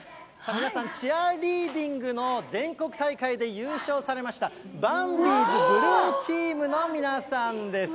皆さん、チアリーディングの全国大会で優勝されました、バンビーズブルーチームの皆さんです。